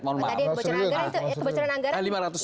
kebocoran anggaran itu orang kita bahas